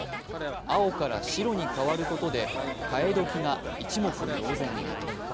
青から白に変わることで変え時が一目瞭然に。